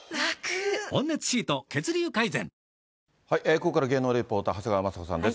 ここから芸能リポーター、長谷川まさ子さんです。